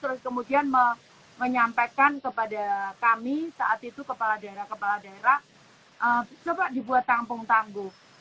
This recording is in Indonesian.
terus kemudian menyampaikan kepada kami saat itu kepala daerah kepala daerah coba dibuat kampung tangguh